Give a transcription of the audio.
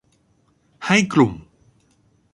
ให้กลุ่ม